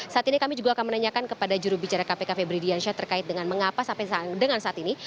saat ini kami juga akan menanyakan kepada jurubicara kpk febri diansyah terkait dengan mengapa sampai dengan saat ini